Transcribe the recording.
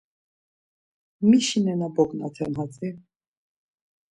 Mişi nena bognaten hatzi?